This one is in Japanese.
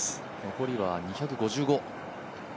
残りは２５５。